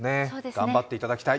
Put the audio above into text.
頑張っていただきたい。